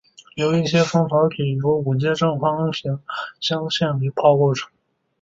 有一些蜂巢体由五阶正方形镶嵌为胞构成